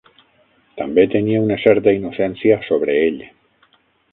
També tenia una certa innocència sobre ell.